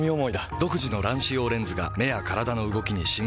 独自の乱視用レンズが目や体の動きにシンクロ。